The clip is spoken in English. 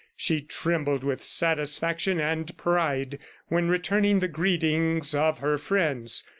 She trembled with satisfaction and pride when returning the greetings of her friends.